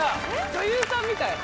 女優さんみたい。